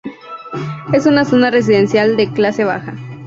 Es una zona residencial de clase baja.